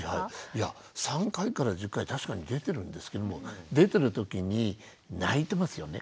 いや３回から１０回確かに出てるんですけれども出てる時に泣いてますよね。